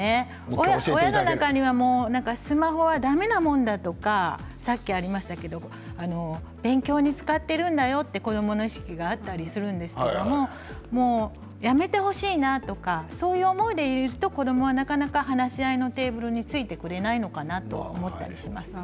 親の中にはスマホはだめだと言っていることがあったり勉強に使っているんだよと子どもの意識があったりするんですけどやめてほしいなとかそういう思いで言うと子どもはなかなか話し合いのテーブルについてくれないのかなと思ったりします。